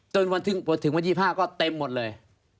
จนวันถึงวัน๒๕ก็เต็มหมดเลย